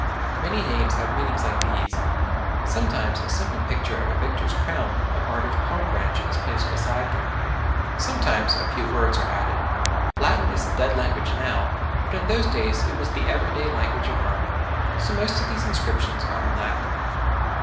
Many names have meanings like these. Sometimes a simple picture of a victor's crown or martyr's palm branch is placed beside them; sometimes a few words are added. Latin is a dead language now, but in those days it was the everyday language of Rome, so most of these inscriptions are in Latin.